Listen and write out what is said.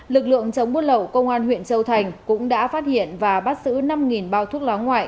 lực lượng chống buôn lậu công an huyện châu thành cũng đã phát hiện và bắt giữ năm bao thuốc lá ngoại